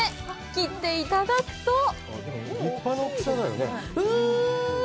切っていただくとうわ！